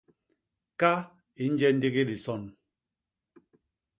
Ka i nje ndigi dison.